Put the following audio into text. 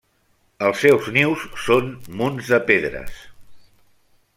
Els seus nius són munts de pedres.